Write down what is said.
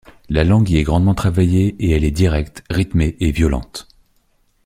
La langue y est grandement travaillée et elle est directe, rythmée et violente.